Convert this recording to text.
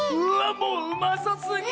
もううまそすぎ！